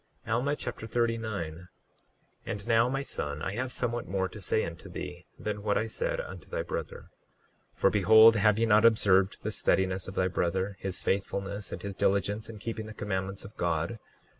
Alma Chapter 39 39:1 And now, my son, I have somewhat more to say unto thee than what I said unto thy brother; for behold, have ye not observed the steadiness of thy brother, his faithfulness, and his diligence in keeping the commandments of God?